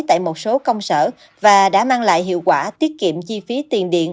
tại một số công sở và đã mang lại hiệu quả tiết kiệm chi phí tiền điện